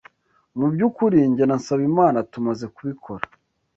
Mubyukuri, njye na Nsabimana tumaze kubikora.